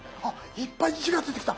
いっぱい字が出てきた。